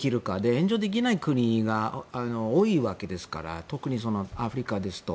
援助できない国が多いわけですから特にアフリカですと。